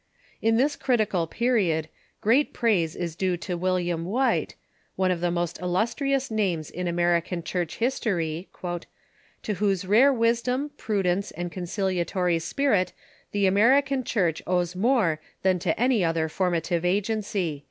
In this criti cal |jeriod, great praise is due to William White, one of the most illustrious names in American Church history, "to whose rare wisdom, prudence, and conciliatory spirit the American Church owes more than to any other formative agency."